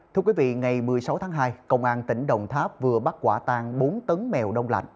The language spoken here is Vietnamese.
thưa quý vị ngày một mươi sáu tháng hai công an tỉnh đồng tháp vừa bắt quả tan bốn tấn mèo đông lạnh